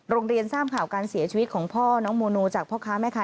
ทราบข่าวการเสียชีวิตของพ่อน้องโมโนจากพ่อค้าแม่ค้า